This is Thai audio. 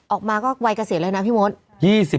ออกมาก็วัยเกษียณเลยนะพี่มด